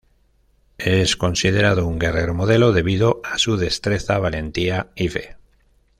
Es considerado un guerrero modelo debido a su destreza, valentía y fe.